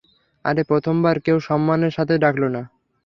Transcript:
আরে প্রথমবার কেউ সম্মানের সাথে ডাকলো না।